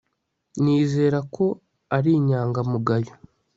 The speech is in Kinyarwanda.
nizera ko ari inyangamugayo